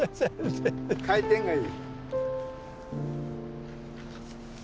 回転がいい。